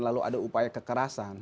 lalu ada upaya kekerasan